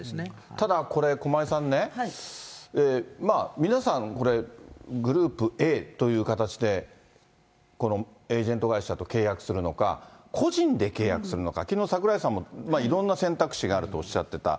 ただ、これ、駒井さんね、皆さんこれ、グループＡという形でこのエージェント会社と契約するのか、個人で契約するのか、きのう、櫻井さんもいろんな選択肢があるとおっしゃってた。